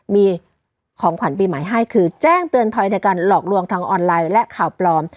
มีของขวัญปีใหม่ให้คือแจ้งเตือนภัยในการหลอกลวงทางออนไลน์และข่าวปลอม